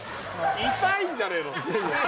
痛いんじゃねえの？